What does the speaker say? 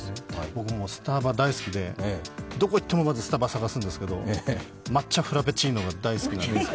僕もスタバ大好きで、どこ行ってもまずスタバ探すんですけど抹茶フラペチーノが大好きで。